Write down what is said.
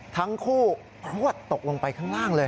ทั้งคู่พลวดตกลงไปข้างล่างเลย